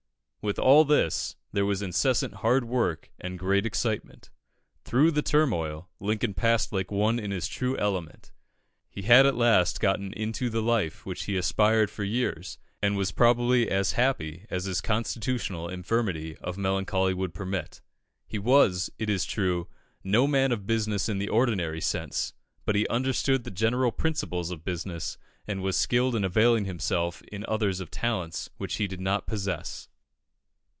With all this, there was incessant hard work and great excitement. Through the turmoil, Lincoln passed like one in his true element. He had at last got into the life to which he had aspired for years, and was probably as happy as his constitutional infirmity of melancholy would permit. He was, it is true, no man of business in the ordinary sense, but he understood the general principles of business, and was skilled in availing himself in others of talents which he did not possess.